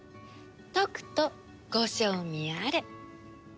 とくとご賞味あれ。